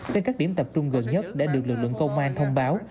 trên các điểm tập trung gần nhất để được lực lượng công an thông báo